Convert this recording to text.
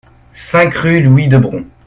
cinq rue Louis Debrons